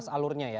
jelas alurnya ya